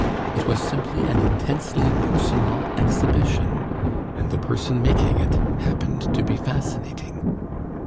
It was simply an intensely personal exhibition, and the person making it happened to be fascinating.